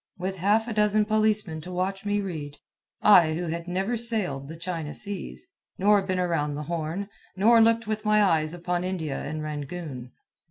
with half a dozen policemen to watch me read I who had never sailed the China seas, nor been around the Horn, nor looked with my eyes upon India and Rangoon.